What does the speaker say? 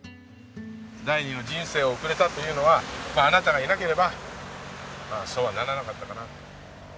第二の人生を送れたというのはあなたがいなければそうはならなかったかなと思ってます。